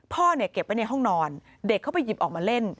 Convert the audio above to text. พ่อเนี่ยเก็บไว้ในห้องนอนเด็กเข้าไปหยิบออกมาเล่น